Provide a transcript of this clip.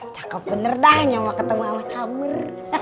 cakep bener dah nyawa ketemu sama cumer